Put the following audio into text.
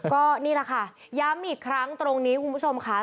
ก็นี่แหละค่ะย้ำอีกครั้งตรงนี้คุณผู้ชมค่ะ